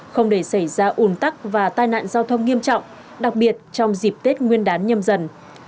không để xảy ra ủn tắc và tai nạn giao thông nghiêm trọng đặc biệt trong dịp tết nguyên đán nhâm dần